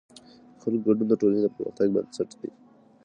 د خلکو ګډون د ټولنې د پرمختګ بنسټ دی